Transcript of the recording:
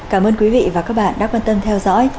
cảm ơn quý vị và các bạn đã quan tâm theo dõi